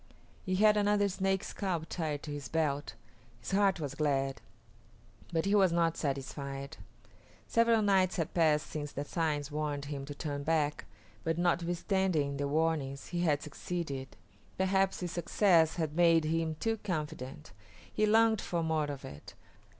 He had another Snake scalp tied to his belt. His heart was glad, but he was not satisfied. Several nights had passed since the signs warned him to turn back, but notwithstanding the warnings, he had succeeded. Perhaps his success had made him too confident. He longed for more of it.